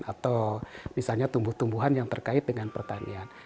atau misalnya tumbuh tumbuhan yang terkait dengan pertanian